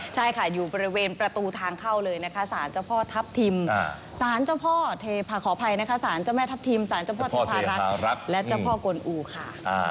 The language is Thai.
ใช่ค่ะอยู่บริเวณประตูทางเข้าเลยนะคะสารเจ้าพ่อทัพทิมสารเจ้าพ่อขออภัยนะคะสารเจ้าแม่ทัพทิมสารเจ้าพ่อเทพารักษ์และเจ้าพ่อกวนอูค่ะ